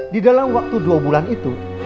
di dalam waktu dua bulan itu